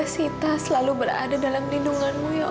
sita mau beluk mama